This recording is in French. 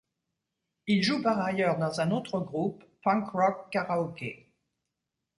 Il joue par ailleurs dans un autre groupe, Punk Rock Karaoke.